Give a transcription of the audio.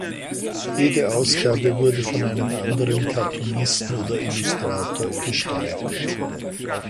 Jede Ausgabe wurde von einem anderen Cartoonisten oder Illustrator gestaltet.